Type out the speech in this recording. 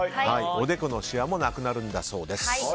おでこのしわもなくなるんだそうです。